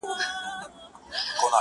له پردي وطنه ځمه لټوم کور د خپلوانو،